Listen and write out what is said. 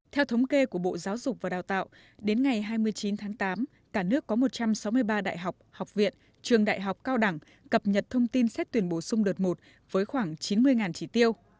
theo thống kê của bộ giáo dục và đào tạo đến ngày hai mươi chín tháng tám cả nước có một trăm sáu mươi ba đại học học viện trường đại học cao đẳng cập nhật thông tin xét tuyển bổ sung đợt một với khoảng chín mươi chỉ tiêu